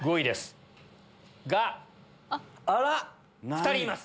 ２人います！